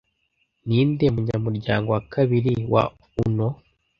Ninde munyamuryango wa kabiri wa UNO